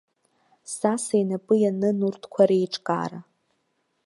Саса инапы ианын урҭқәа реиҿкаара.